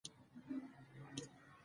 د ژبي د ودې لپاره رسنی مهمي دي.